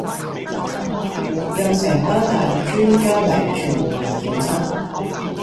又成班大陸專家嚟全民檢測